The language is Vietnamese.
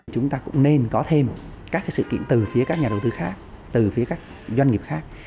chúng ta cũng nên có thêm các sự kiện từ phía các nhà đầu tư khác từ phía các doanh nghiệp khác